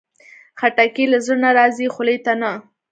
خټکی له زړه نه راځي، خولې ته نه.